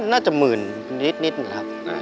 น่าจะหมื่นนิดนะครับ